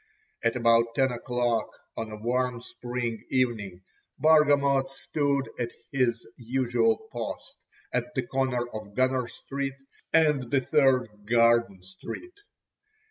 At about ten o'clock on a warm spring evening Bargamot stood at his usual post at the corner of Gunner Street and the 3rd Garden Street.